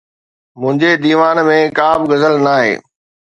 منهنجي ديوان ۾ ڪا به غزل ناهي.